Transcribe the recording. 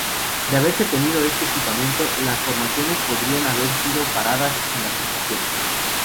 De haberse tenido este equipamiento, las formaciones podrían haber sido paradas en las estaciones.